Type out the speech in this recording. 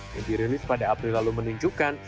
yang dirilis pada april lalu menunjukkan